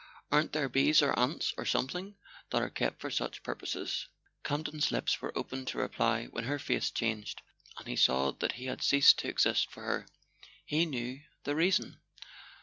Aren't there bees or ants, or something, that are kept for such pur¬ poses ?" Campton's lips were opened to reply when her face changed, and he saw that he had ceased to exist for her. He knew the reason.